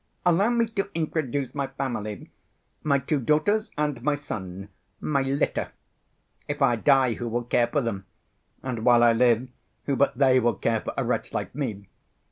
Allow me to introduce my family, my two daughters and my son—my litter. If I die, who will care for them, and while I live who but they will care for a wretch like me?